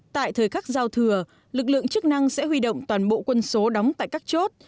tại thời khắc giao thừa lực lượng chức năng sẽ huy động toàn bộ quân số đóng tại các chốt